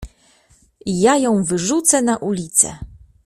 Ja ją wyrzucę na ulicę!